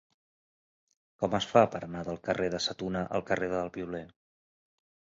Com es fa per anar del carrer de Sa Tuna al carrer del Violer?